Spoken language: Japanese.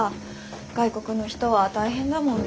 外国の人は大変だもんね。